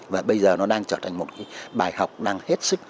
và bây giờ nó đang trở thành một cái bài học đang hết sức